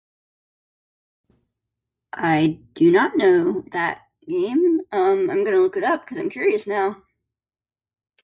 I do not know that game. Um, I'm gonna look it up cuz I'm curious now!